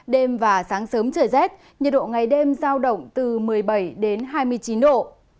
đêm và sáng sớm trời rét nhiệt độ ngày đêm giao động từ một mươi bảy đến hai mươi chín độ